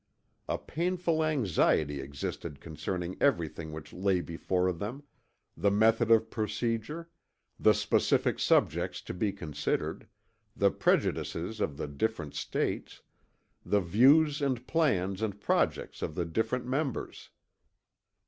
A painful anxiety existed concerning everything which lay before them the method of procedure, the specific subjects to be considered, the prejudices of the different States, the views and plans and projects of the different members.